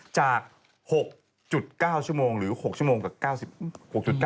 จาก๖๙ชั่วโมงหรือ๖ชั่วโมงกับ๙๖๙